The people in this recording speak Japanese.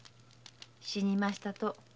死にましたと。